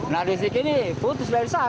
nah disini putus dari sana